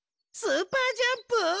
スーパージャンプ？